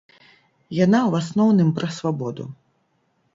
Яна ў асноўным пра свабоду.